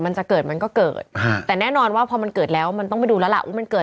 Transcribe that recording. ไม่ให้มันเกิดซ้ำแบบนี้